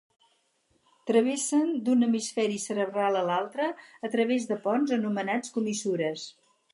Travessen d'un hemisferi cerebral a l'altre a través de ponts anomenats comissures.